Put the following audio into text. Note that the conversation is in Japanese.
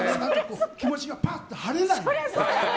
気持ちがぱっと晴れない。